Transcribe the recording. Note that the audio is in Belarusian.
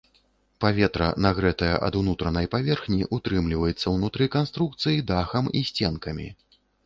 Паветра, нагрэтае ад унутранай паверхні, утрымліваецца ўнутры канструкцыі дахам і сценкамі.